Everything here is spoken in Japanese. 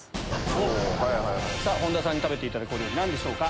本田さんに食べていただくお料理何でしょうか？